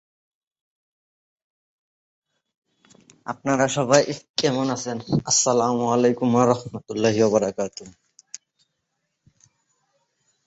তিনি একটি ধারক দেখান যা সে যা বলে তার চোখ তার।